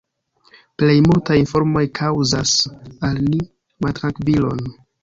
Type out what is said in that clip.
Plej multaj informoj kaŭzas al ni maltrankvilon.